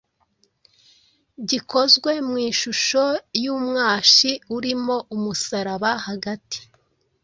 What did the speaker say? gikozwe mu ishusho y’umwashi urimo umusaraba hagati